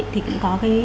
thì cũng có